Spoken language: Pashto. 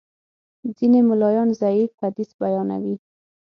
ځینې ملایان ضعیف حدیث بیانوي.